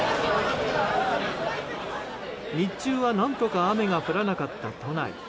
日中は何とか雨が降らなかった都内。